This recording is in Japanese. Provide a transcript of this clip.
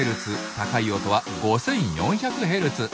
高い音は５，４００ヘルツ。